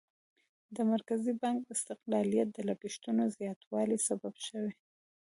د مرکزي بانک استقلالیت د لګښتونو زیاتوالي سبب شو.